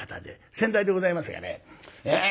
先代でございますがねええ